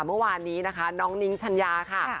เมื่อวานนี้นะคะน้องนิ้งชัญญาค่ะ